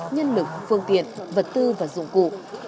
nhân lực phương tiện vật tư và dụng cụ